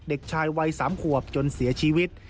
เด็กชายวัย๓ขวบจนเสียชีวิต